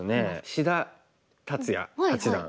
志田達哉八段。